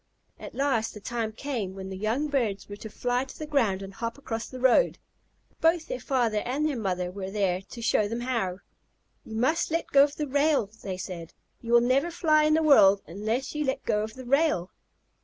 At last the time came when the young birds were to fly to the ground and hop across the road. Both their father and their mother were there to show them how. "You must let go of the rail," they said. "You will never fly in the world unless you let go of the rail."